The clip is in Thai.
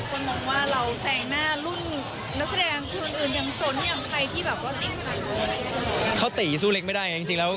คนบอกว่าเราแสดงหน้ารุ่นแล้วแสดงคนอื่นอย่างสนอย่างใครที่แบบก็ติ้งไหลลง